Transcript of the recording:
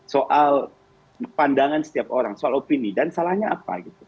soal pandangan setiap orang soal opini dan salahnya apa gitu